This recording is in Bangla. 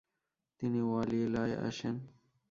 তিনি ওয়ালিলায় আসেন।